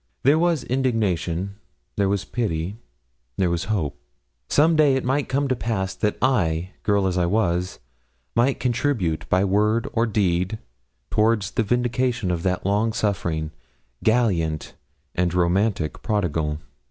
There was indignation, there was pity, there was hope. Some day it might come to pass that I, girl as I was, might contribute by word or deed towards the vindication of that long suffering, gallant, and romantic prodigal.